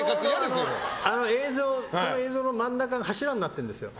ちょうどその写真の真ん中が柱になってるんですよ。